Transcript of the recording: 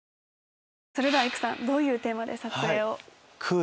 それでは育さんどういうテーマで撮影を？